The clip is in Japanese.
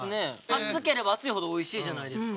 熱ければ熱いほどおいしいじゃないですか。